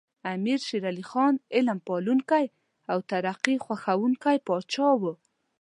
امیر شیر علی خان علم پالونکی او ترقي خوښوونکی پاچا و.